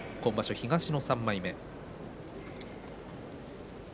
東の３枚目。